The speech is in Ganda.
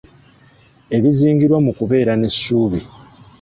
Ebizingirwa mu kubeera n’essuubi.